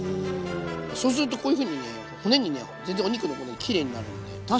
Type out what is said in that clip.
そうするとこういうふうにね骨にね全然お肉の骨きれいになるんで。